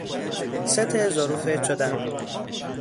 ست ظروف چدن